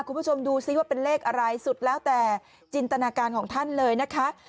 คุณผู้ชมดูซิว่าเป็นเลขอะไรสุดแล้วแต่จินตนาการของท่านเลยนะคะ